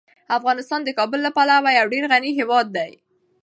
افغانستان د کابل له پلوه یو ډیر غني هیواد دی.